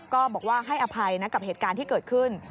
ก็บอกว่าให้อภัยนะกับเหตุการณ์ที่เกิดขึ้น